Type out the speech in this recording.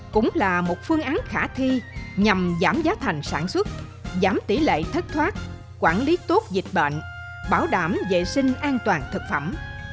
cũng là một phương án khả thi nhằm giảm giá thành sản xuất giảm tỷ lệ thất thoát quản lý tốt dịch bệnh bảo đảm vệ sinh an toàn thực phẩm